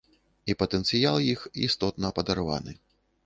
І патэнцыял іх істотна падарваны.